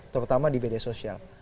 terutama di bd sosial